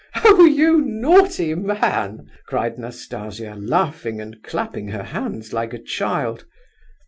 "Oh, you naughty man!" cried Nastasia, laughing and clapping her hands like a child.